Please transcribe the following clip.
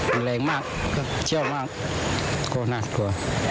แรงมากเชี่ยวมากโคตรน่าตัว